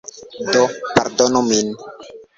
Do, pardonu min.